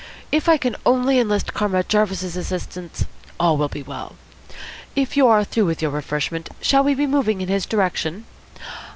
If I can only enlist Comrade Jarvis's assistance, all will be well. If you are through with your refreshment, shall we be moving in his direction?